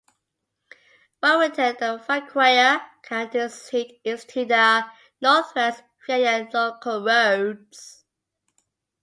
Warrenton, the Fauquier County seat, is to the northwest via local roads.